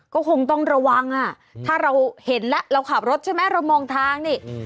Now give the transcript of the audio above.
ก็คงต้องระวังอ่ะถ้าเราเห็นแล้วเราขับรถใช่ไหมเรามองทางนี่